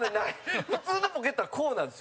普通のポケットはこうなんですよ。